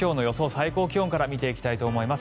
最高気温から見ていきます。